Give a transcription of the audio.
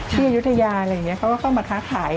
อายุทยาอะไรอย่างนี้เขาก็เข้ามาค้าขาย